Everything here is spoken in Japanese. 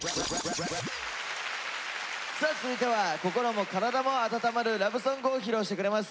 さあ続いては心も体も温まるラブソングを披露してくれます。